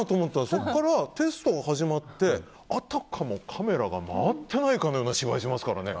そこからテストが始まってあたかもカメラが回っていないかのような芝居をしますからね。